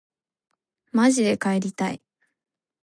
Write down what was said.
まじで帰りたい